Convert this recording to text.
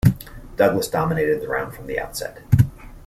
Douglas dominated the round from the outset.